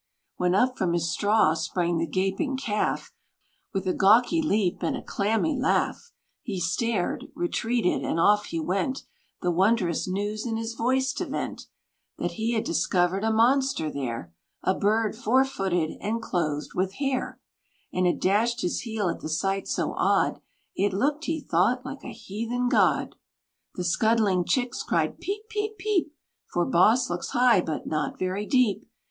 When up from his straw sprang the gaping Calf, With a gawky leap and a clammy laugh. He stared retreated and off he went, The wondrous news in his voice to vent, That he had discovered a monster there A bird four footed, and clothed with hair! And had dashed his heel at the sight so odd, It looked, he thought, like a heathen god! The scuddling Chicks cried, "Peep, peep, peep! For Boss looks high, but not very deep!